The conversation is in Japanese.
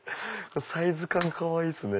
サイズ感かわいいっすね。